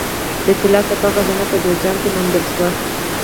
د طلا تپه خزانه په جوزجان کې وموندل شوه